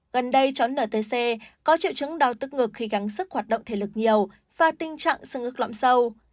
gần đây chó ntc có triệu chứng đau tức ngực khi gắn sức hoạt động thể lực nhiều và tình trạng xương ức lõm sâu